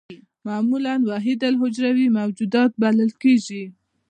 معمولاً وحیدالحجروي موجودات بلل کېږي.